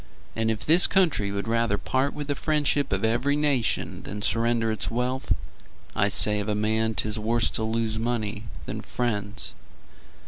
And if this country would rather part With the friendship of every nation Than surrender its wealth, I say of a man 'tis worse to lose Money than friends.